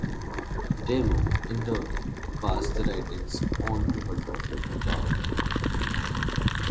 Damo, in turn, passed the writings on to her daughter Bitale.